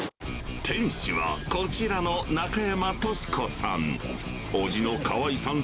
店主はこちらの中山俊子さん。